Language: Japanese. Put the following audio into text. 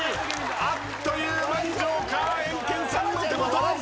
あっという間にジョーカーはエンケンさんの手元！